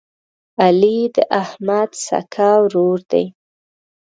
علي د احمد سکه ورور دی.